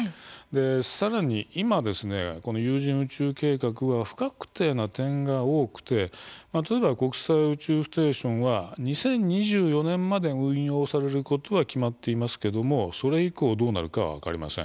さらに今、有人宇宙計画は不確定な点が多く例えば国際宇宙ステーションは２０２４年まで運用されることは決まっていますがそれ以降どうなるかは分かりません。